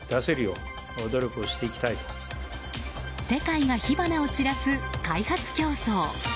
世界が火花を散らす開発競争。